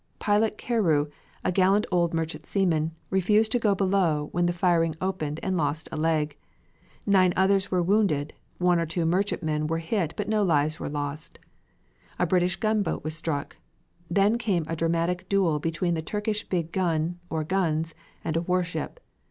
Pilot Carew, a gallant old merchant seaman, refused to go below when the firing opened and lost a leg. Nine others were wounded, one or two merchantmen were hit but no lives were lost. A British gunboat was struck. Then came a dramatic duel between the Turkish big gun, or guns, and a warship.